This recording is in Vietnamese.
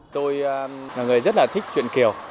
tôi là người rất là thích truyền kiều